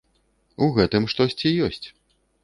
У гэтым штосьці ёсць.